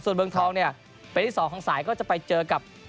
ส่วนเมืองทองเนี่ยเป็นที่๒ของสายก็จะไปเจอกับ